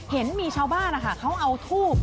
เห็นมีชาวบ้านนะคะเขาเอาทูบ